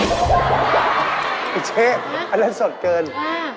อี๋เช่อันนั้นสดเกินอ่ะใช่